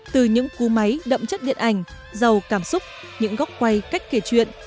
từ những cú máy đậm chất điện ảnh giàu cảm xúc những góc quay cách kể chuyện